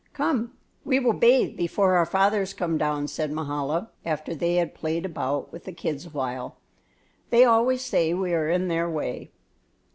"Come, we will bathe before our fathers come down," said Mahala, after they had played about with the kids awhile; "they always say we are in their way."